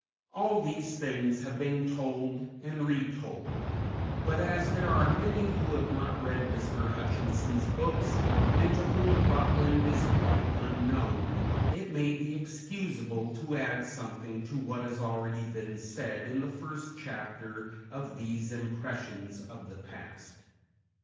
All these things have been told and retold; but, as there are many who have not read Mr. Hutchinson's books and to whom Buckland is quite unknown, it may be excusable to add something to what has already been said in the first chapter of these impressions of the past.